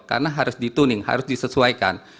karena harus dituning harus disesuaikan